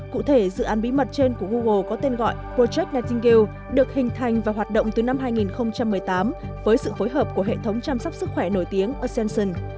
cụ thể dự án bí mật trên của google có tên gọi projec niting gaul được hình thành và hoạt động từ năm hai nghìn một mươi tám với sự phối hợp của hệ thống chăm sóc sức khỏe nổi tiếng ascension